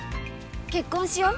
結婚しよう。